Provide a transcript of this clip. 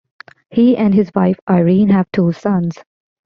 He and his wife, Irene, have two sons.